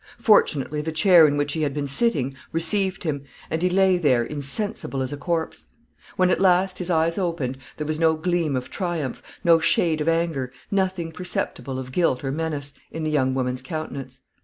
Fortunately, the chair in which he had been sitting received him, and he lay there insensible as a corpse. When at last his eyes opened, there was no gleam of triumph, no shade of anger, nothing perceptible of guilt or menace, in the young woman's countenance.